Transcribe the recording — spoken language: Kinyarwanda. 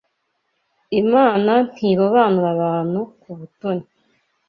Imana ntirobanura abantu ku butoni